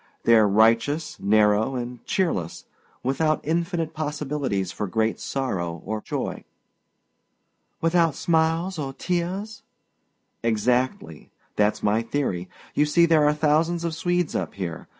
They're righteous, narrow, and cheerless, without infinite possibilities for great sorrow or joy." "Without smiles or tears?" "Exactly. That's my theory. You see there are thousands of Swedes up here.